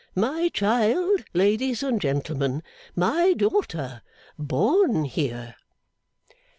My child, ladies and gentlemen. My daughter. Born here!